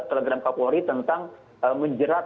telegram kapolri tentang menjerat